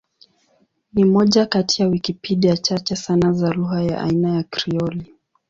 Ni moja kati ya Wikipedia chache sana za lugha ya aina ya Krioli.